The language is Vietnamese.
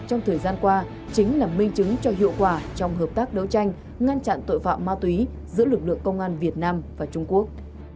trong thời gian qua chính là minh chứng cho hiệu quả trong hợp tác đấu tranh ngăn chặn tội phạm ma túy giữa lực lượng công an việt nam và trung quốc